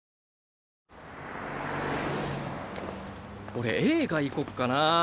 俺映画行こっかなぁ。